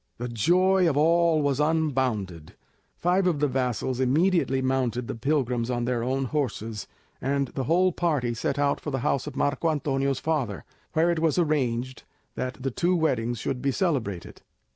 The joy of all was unbounded. Five of the vassals immediately mounted the pilgrims on their own horses, and the whole party set out for the house of Marco Antonio's father, where it was arranged that the two weddings should be celebrated.